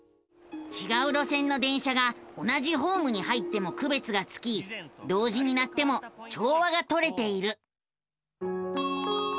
ちがう路線の電車が同じホームに入ってもくべつがつき同時に鳴っても調和がとれている。